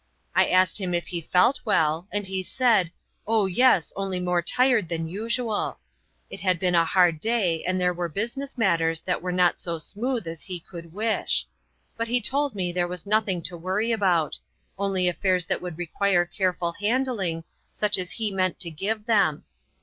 I asked him if he felt well, and he said, oh, yes, only more tired than usual; it had been a hard day, and there were business matters that were not so smooth as he could wish. But he told me there was nothing to worry about ; only affairs that would require careful handling, such as he meant to give them.